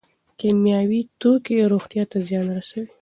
کیمیاوي توکي روغتیا ته زیان رسوي.